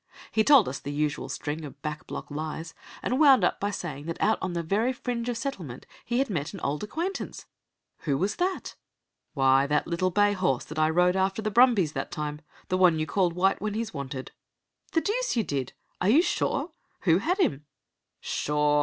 He told us the usual string of back block lies, and wound up by saying that out on the very fringe of settlement he had met an old acquaintance. "Who was that?" "Why, that little bay horse that I rode after the brumbies that time. The one you called White when he's wanted." "The deuce you did! Are you sure? Who had him?" "Sure!